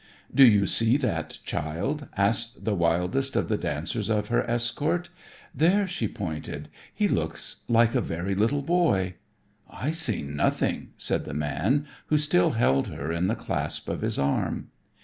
"Do you see that child?" asked the wildest of the dancers of her escort. "There," she pointed. "He looks like a very little boy." "I see nothing," said the man, who still held her in the clasp of his arm.